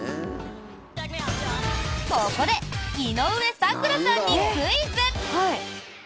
ここで井上咲楽さんにクイズ。